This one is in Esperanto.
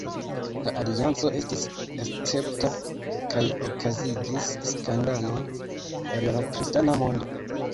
La alianco estis escepta, kaj okazigis skandalon en la kristana mondo.